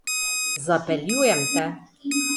Zapeljujem te.